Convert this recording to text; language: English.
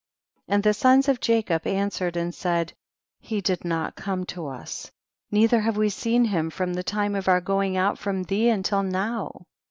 And the sons of Jacob answer ed and said, he did not come to us, neither have we seen him from the time of our going out from thee until now.